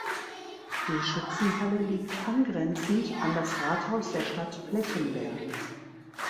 Die Schützenhalle liegt angrenzend an das Rathaus der Stadt Plettenberg.